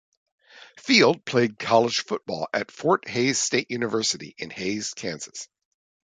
Field played college baseball at Fort Hays State University in Hays, Kansas.